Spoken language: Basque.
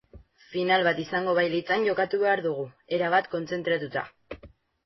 Final bat izango bailitzan jokatu behar dugu, erabat kontzentratuta.